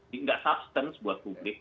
tidak substance buat publik